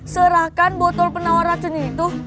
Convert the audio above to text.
serahkan botol penawar racun itu